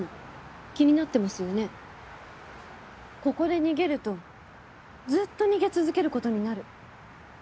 ここで逃げるとずっと逃げ続ける事になる。